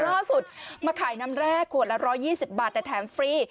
ล่าสุดมาขายน้ำแร่ขวดละ๑๒๐บาทแต่แถมฟรี